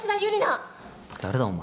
誰だお前。